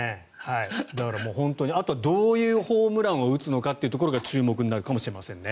だから、本当にどういうホームランを打つのかというところが注目になるかもしれません。